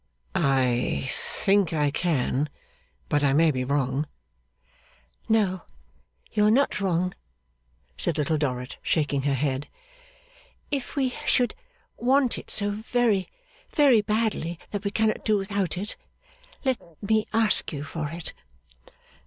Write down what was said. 'I think I can. But I may be wrong.' 'No, you are not wrong,' said Little Dorrit, shaking her head. 'If we should want it so very, very badly that we cannot do without it, let me ask you for it.